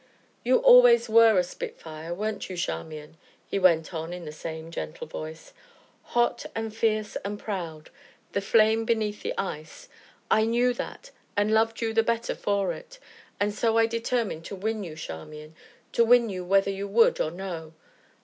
"You always were a spitfire, weren't you, Charmian?" he went on in the same gentle voice; "hot, and fierce, and proud the flame beneath the ice I knew that, and loved you the better for it; and so I determined to win you, Charmian to win you whether you would or no.